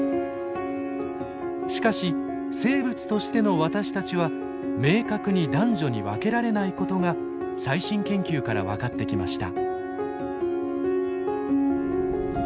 しかし生物としての私たちは明確に男女に分けられないことが最新研究から分かってきました。